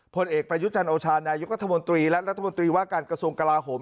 ผลเอกประยุจรรย์โอชาณายุคธมตรีและรัฐมนตรีว่าการกระทรวงกลาห่ม